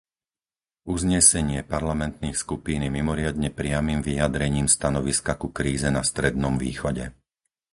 Uznesenie parlamentných skupín je mimoriadne priamym vyjadrením stanoviska ku kríze na Strednom východe.